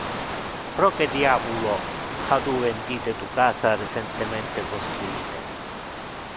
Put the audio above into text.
Proque diabolo ha tu vendite tu casa recentemente construite?